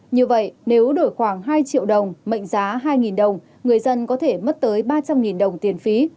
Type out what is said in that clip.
như vậy nếu đổi khoảng hai triệu đồng mệnh giá hai đồng người dân có thể mất tới ba trăm linh đồng tiền phí